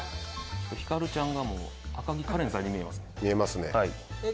ひかるちゃんが赤城カレンさんに見えますね。